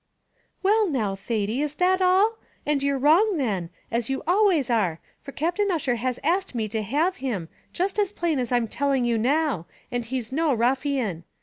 "Well, now, Thady, is that all? and you're wrong then, as you always are, for Captain Ussher has asked me to have him, just as plain as I'm telling you now; and he's no ruffian.